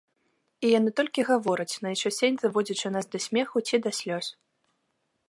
І яны толькі гавораць, найчасцей даводзячы нас да смеху ці да слёз.